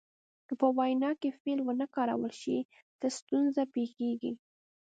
که په وینا کې فعل ونه کارول شي څه ستونزه پیښیږي.